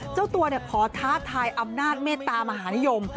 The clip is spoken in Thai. เจ้าตัวขอท้าทายอำนาจเมตตามหานิยม